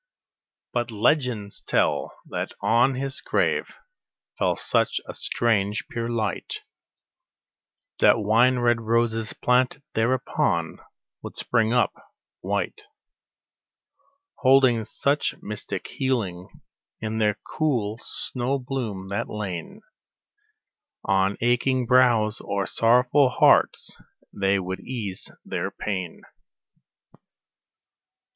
But legends tell that on his grave fell such a strange, pure light, That wine red roses planted thereupon would spring up white, Holding such mystic healing in their cool snow bloom, that lain On aching brows or sorrowful hearts, they would ease their pain.